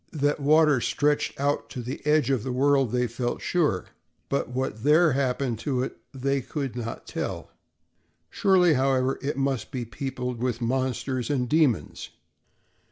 That water stretched out to the "edge of the world" they felt sure, but what there happened to it they could not tell. Surely, however, it must be peopled with monsters and demons.